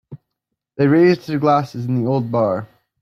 They raised their glasses in the old bar.